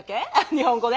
日本語で。